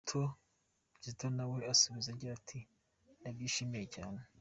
Kizito nawe asubiza agira ati “Ndabyishimiye cyane.”